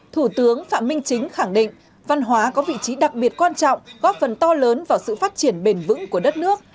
thủ tướng phạm minh chính khẳng định văn hóa có vị trí đặc biệt quan trọng góp phần to lớn vào sự phát triển bền vững của đất nước